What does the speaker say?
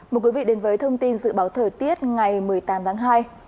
mời quý vị đến với thông tin dự báo thời tiết ngày một mươi tám tháng hai